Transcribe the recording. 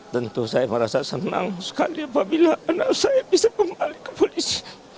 tentu saya merasa senang sekali apabila anak saya bisa kembali ke polisi